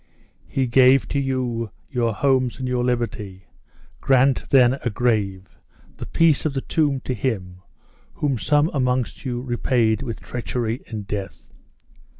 "He gave to you your homes and your liberty! grant, then, a grave, the peace of the tomb to him, whom some amongst you repaid with treachery and death!"